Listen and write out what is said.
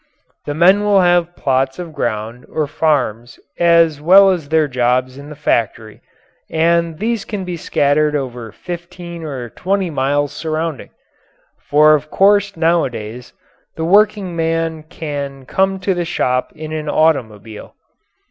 The men will have plots of ground or farms as well as their jobs in the factory, and these can be scattered over fifteen or twenty miles surrounding for of course nowadays the workingman can come to the shop in an automobile.